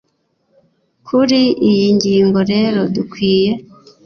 Kuri iyi ngingo rero dukwiye